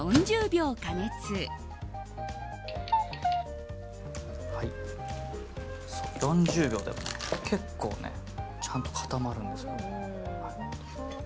４０秒でも結構ちゃんと固まるんですよ。